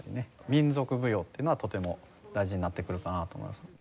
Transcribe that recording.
民族舞踊っていうのはとても大事になってくるかなと思います。